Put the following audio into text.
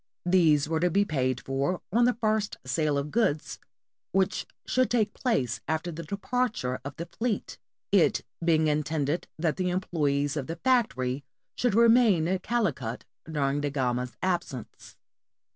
These were to be paid for on the first sale of goods which should take place after the departure of the fleet, it being in tended that the employees of the factory should remain at Calicut during Da Gama's absence.